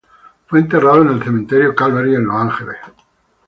Fue enterrado en el Cementerio Calvary, en Los Ángeles.